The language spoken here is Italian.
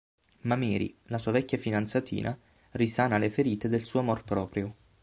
Ma Mary, la sua vecchia fidanzatina, risana le ferite del suo amor proprio.